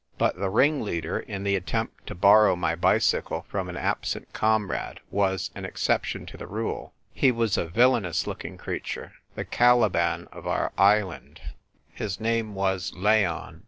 But the ringleader in the attempt to borrow my bicycle from an absent comrade was an exception to the rule. He was a villainous looking creature — the Caliban of our island. His name was Leon.